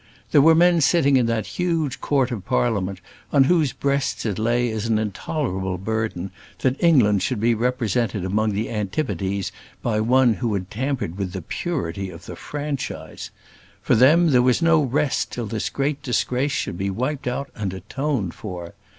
There were men sitting in that huge court of Parliament on whose breasts it lay as an intolerable burden, that England should be represented among the antipodes by one who had tampered with the purity of the franchise. For them there was no rest till this great disgrace should be wiped out and atoned for.